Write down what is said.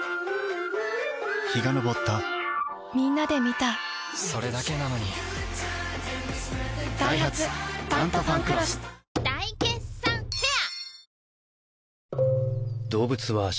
陽が昇ったみんなで観たそれだけなのにダイハツ「タントファンクロス」大決算フェア